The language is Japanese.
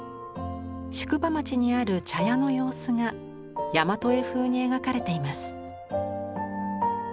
宿場町にある茶屋の様子が大和絵風に描かれています。